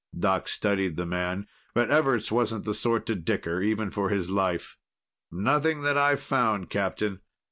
Doc studied the man. But Everts wasn't the sort to dicker even for his life. "Nothing that I've found, Captain.